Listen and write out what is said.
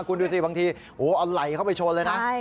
คุณดูสิบางทีเอาไหล่เข้าไปชนเลยนะ